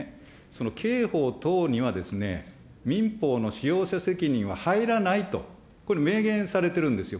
その刑法等には、民法の使用者責任は入らないと、これ、明言されてるんですよ。